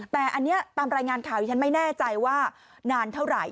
แต่อันนี้ตามรายงานข่าวที่ฉันไม่แน่ใจว่านานเท่าไหร่